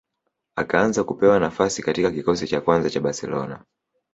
Akaanza kupewa nafasi katika kikosi cha kwanza cha Barcelona